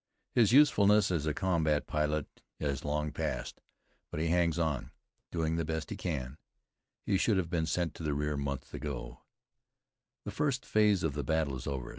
His usefulness as a combat pilot has long past, but he hangs on, doing the best he can. He should have been sent to the rear months ago. The first phase of the battle is over.